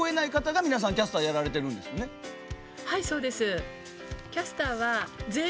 「はいそうです」。